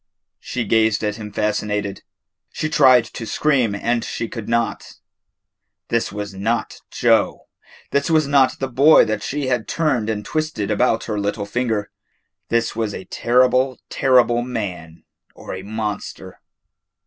She gazed at him fascinated. She tried to scream and she could not. This was not Joe. This was not the boy that she had turned and twisted about her little finger. This was a terrible, terrible man or a monster.